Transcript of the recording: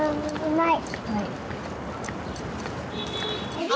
ない。